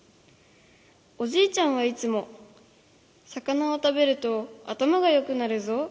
おじいちゃんはいつも「魚をたべると頭がよくなるぞ。